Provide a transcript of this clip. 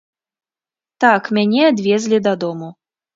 Так, мяне адвезлі дадому.